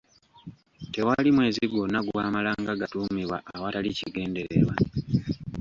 Tewali mwezi gwonna gwamalanga gatuumibwa awatali kigendererwa.